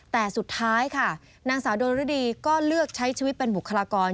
แต่สุดท้ายค่ะนางสาวโดนฤดีก็เลือกใช้ชีวิตเป็นบุคลากร